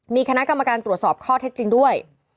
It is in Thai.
มีคณะกรรมการตรวจสอบข้อเท็จจริงด้วย